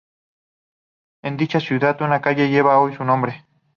En dicha ciudad, una calle lleva hoy su nombre.